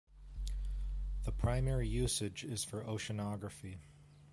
The primary usage is for oceanography.